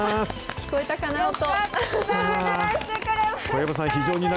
聞こえたかな？